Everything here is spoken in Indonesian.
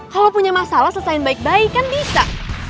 kalo punya masalah selesain baik baik kan bisa